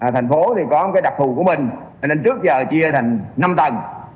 thành phố thì có một cái đặc thù của mình nên trước giờ chia thành năm tầng